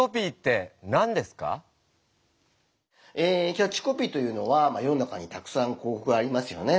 キャッチコピーというのは世の中にたくさん広こくがありますよね。